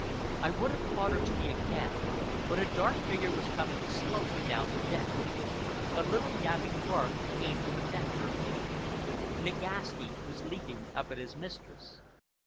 I would have caught her to me again, but a dark figure was coming slowly down the deck. A little, yapping bark came from the deck at her feet. Nagaski was leaping up at his mistress.